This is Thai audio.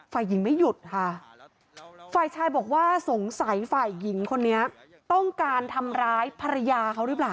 ฝ่ายหญิงไม่หยุดค่ะฝ่ายชายบอกว่าสงสัยฝ่ายหญิงคนนี้ต้องการทำร้ายภรรยาเขาหรือเปล่า